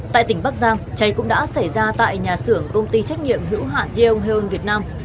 tại tỉnh bắc giang cháy cũng đã xảy ra tại nhà xưởng công ty trách nhiệm hữu hạn yeongheon việt nam